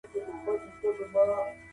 څنګه هېوادونه خپلي ستونزي حل کوي؟